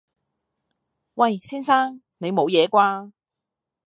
喂！先生！你冇嘢啩？